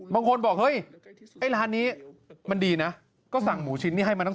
บางคนบอกเฮ้ยไอ้ร้านนี้มันดีนะก็สั่งหมูชิ้นนี้ให้มาตั้ง